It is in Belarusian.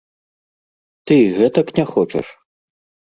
Ты і гэтак не хочаш?